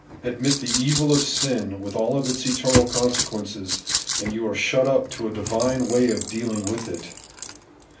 Admit the evil of sin, with all its eternal consequences, and you are shut up to a divine way of dealing with it.